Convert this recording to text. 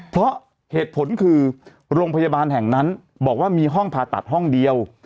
เพราะเหตุผลคือโรงพยาบาลแห่งนั้นบอกว่ามีห้องผ่าตัดห้องเดียว